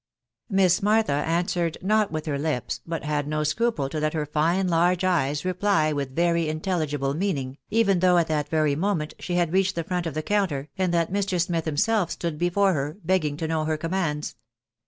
' Miss Martha answered not with her lips, but had no scruple to let her fine large «yes reply with very intelligible meaning, even though at that very moment she had reached the front of the counter, and that Mr. Smith himself stood before her, begging to know her commands.